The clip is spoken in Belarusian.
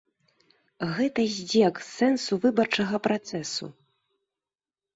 Гэта здзек з сэнсу выбарчага працэсу.